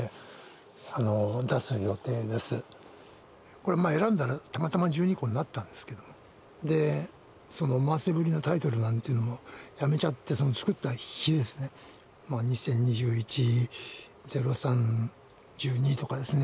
これまあ選んだらたまたま１２個になったんですけどでその思わせぶりなタイトルなんていうのをやめちゃって作った日ですね２０２１０３１２とかですね